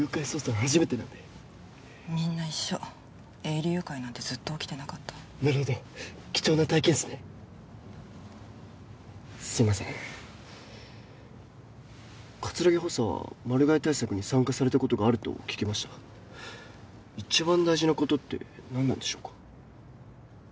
初めてなんでみんな一緒営利誘拐なんてずっと起きてなかったなるほど貴重な体験っすねすいません葛城補佐はマル害対策に参加されたことがあると聞きました一番大事なことって何なんでしょうか？